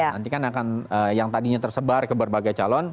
nanti kan akan yang tadinya tersebar ke berbagai calon